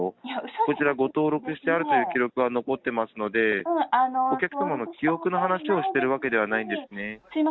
こちらご登録してあるという記録が残ってますので、お客様の記憶の話をしているわけではないんですね。